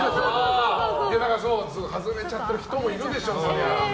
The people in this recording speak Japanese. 外れちゃっている人もいるでしょうね。